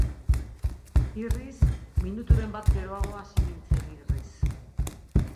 Irriz, minuturen bat geroago hasi nintzen irriz.